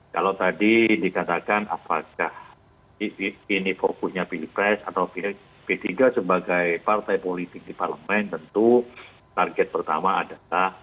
kalau tadi dikatakan apakah ini fokusnya pilpres atau p tiga sebagai partai politik di parlemen tentu target pertama adalah